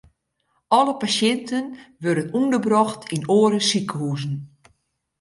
Alle pasjinten wurde ûnderbrocht yn oare sikehuzen.